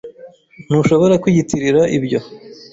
Ntushobora kwiyitirira ibyo.